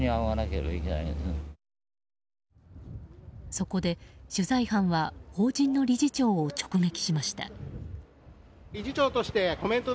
そこで取材班は法人の理事長を直撃しました。